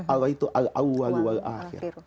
allah itu al awal wal akhir